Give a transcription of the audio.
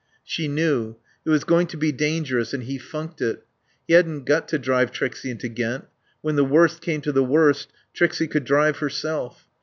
She knew. It was going to be dangerous and he funked it. He hadn't got to drive Trixie into Ghent. When the worst came to the worst Trixie could drive herself.